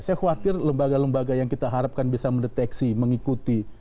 saya khawatir lembaga lembaga yang kita harapkan bisa mendeteksi mengikuti